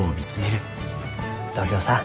東京さん